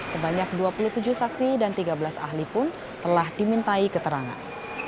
sebanyak dua puluh tujuh saksi dan tiga belas ahli pun telah dimintai keterangan